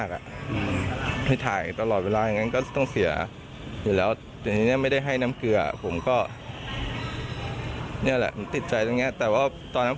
ส่วนทางด้านโรงพยาบาลนะครับได้มีการชี้แจงว่า